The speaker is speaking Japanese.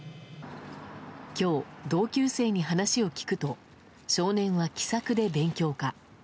今日、同級生に話を聞くと少年は気さくで勉強家。